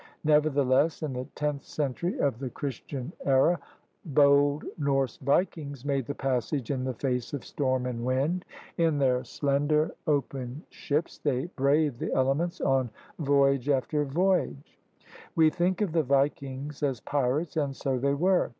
Nevertheless in the tenth century of the Christian era bold Norse vikings made the passage in the face of storm and wind. In their slender 26 THE RED MAN'S CONTINENT open ships they braved the elements on voyage after voyage. We think of the vikings as pirates, and so they were.